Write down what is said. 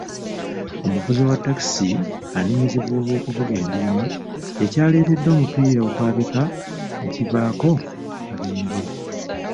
Omuvuzi wa ttakisi anenyezebwa olw'okuvuga endiima, ekyaleetedde omupiira okwabika ne kivaako akabenje.